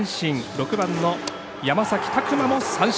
６番の山崎琢磨も三振。